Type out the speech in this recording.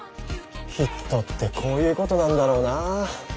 ヒットってこういうことなんだろうな。